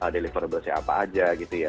deliverable siapa aja gitu ya